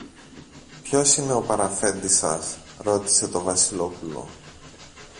Ποιος είναι ο παραφέντης σας; ρώτησε το Βασιλόπουλο.